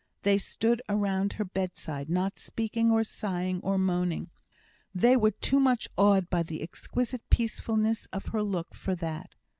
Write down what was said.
They stood around her bedside, not speaking, or sighing, or moaning; they were too much awed by the exquisite peacefulness of her look for that.